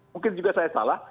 mungkin juga saya salah